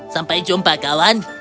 sampai jumpa kawan